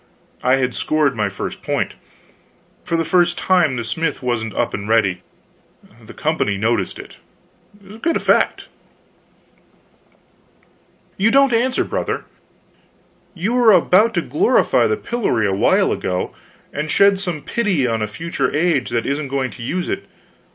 I had scored my first point! For the first time, the smith wasn't up and ready. The company noticed it. Good effect. "You don't answer, brother. You were about to glorify the pillory a while ago, and shed some pity on a future age that isn't going to use it.